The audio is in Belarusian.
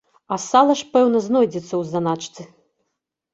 А сала ж, пэўна, знойдзецца ў заначцы.